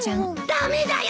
駄目だよ